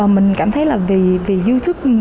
mình cảm thấy là vì youtube